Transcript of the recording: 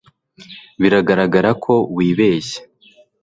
biragaragara ko wibeshye